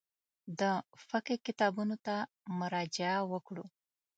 د فقهي کتابونو ته مراجعه وکړو.